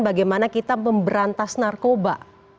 bagaimana kita memberantas narkoba